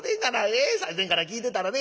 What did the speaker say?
最前から聞いてたらね